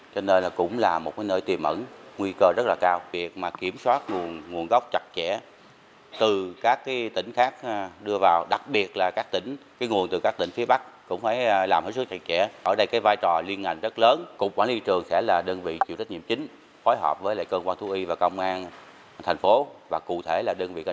tp hcm là một nơi tiếp nhận rất nhiều nguồn sản phẩm động vật từ các nhà hàng quán ăn